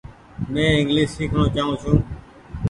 مين انگليش سيکڻو چآئو ڇون ۔